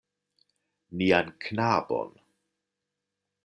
Nian knabon.